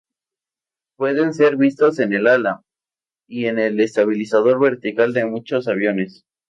Pueden ser vistos en el ala y en el estabilizador vertical de muchos aviones.